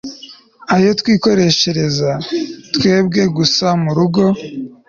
ayo twikoreshereza twebwe gusa mu rugo